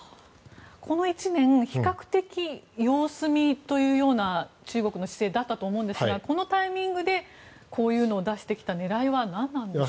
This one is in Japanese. この１年比較的、様子見というような中国の姿勢だったと思うんですがこのタイミングでこういうのを出してきた狙いは何なんですか。